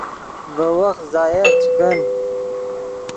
ڤے وخت ضیائع چے کن